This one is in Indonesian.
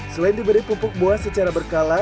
selain diberi pupuk buah secara berkala